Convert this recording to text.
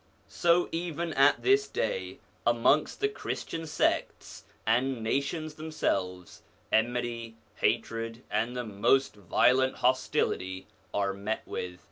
So, even at this day, amongst the Christian sects and nations themselves, enmity hatred, and the most violent hostility are met with.